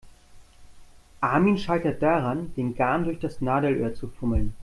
Armin scheitert daran, den Garn durch das Nadelöhr zu fummeln.